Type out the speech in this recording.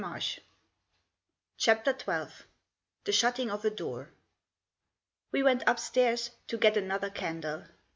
101 CHAPTER XII. THE SHUTTING OF A DOOR. We went upstairs to get another candle.